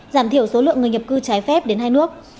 giảm thiểu số lượng người nhập cư trái phép đến hai nước